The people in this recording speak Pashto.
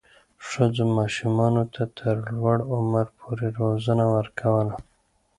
ښځو ماشومانو ته تر لوړ عمر پورې روزنه ورکوله.